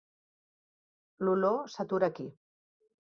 L'olor s'atura aquí.